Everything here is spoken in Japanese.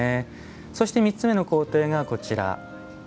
そして３つ目の工程がこちら。